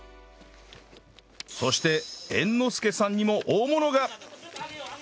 そして猿之助さんにも大物が！